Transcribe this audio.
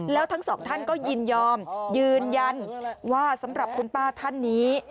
แล้วทั้งสองท่านก็ยินยอมยืนยันว่าสำหรับคุณป้าท่านนี้